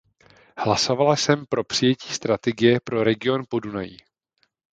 Hlasovala jsem pro přijetí strategie pro region Podunají.